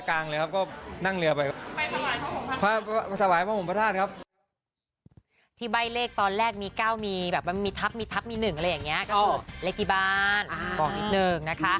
กลางเลยครับก็นั่งเรือไป